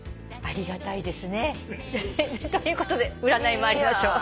ありがたいですね。ということで占いに参りましょう。